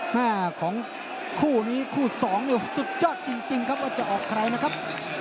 หน้าของคู่นี้คู่สองเนี่ยสุดยอดจริงครับว่าจะออกใครนะครับ